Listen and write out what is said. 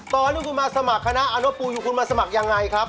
ตอนที่คุณมาสมัครคณะอนุปูอยู่คุณมาสมัครยังไงครับ